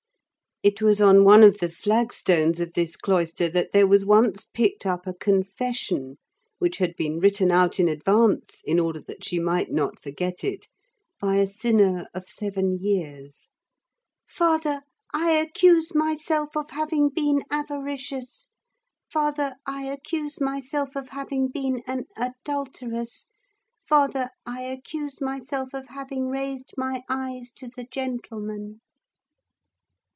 It was on one of the flagstones of this cloister that there was once picked up a confession which had been written out in advance, in order that she might not forget it, by a sinner of seven years:— "Father, I accuse myself of having been avaricious. "Father, I accuse myself of having been an adulteress. "Father, I accuse myself of having raised my eyes to the gentlemen."